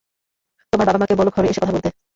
তোমার বাবা-মাকে বলো ঘরে এসে কথা বলতে।